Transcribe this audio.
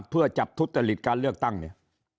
เพื่อจับทุจริตการเลือกตั้งเนี่ย